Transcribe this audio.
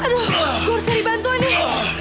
aduh gue harus cari bantuan deh